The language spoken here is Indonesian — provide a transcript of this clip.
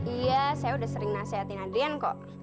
iya saya udah sering nasihatin adrian kok